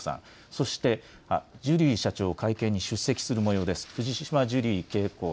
そしてジュリー社長、会見に出席するもようです。